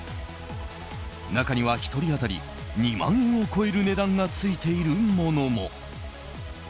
中には１人当たり２万円を超える値段がついているものも。